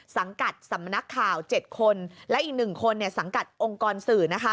สังกัดสำนักข่าว๗คนและอีก๑คนสังกัดองค์กรสื่อนะคะ